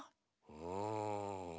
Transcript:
うん？